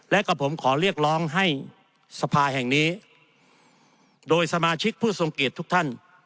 และกับผมขอเรียกร้องให้สภาแห่งนี้โดยสมาชิกผู้ทรงเกียจทุกท่าน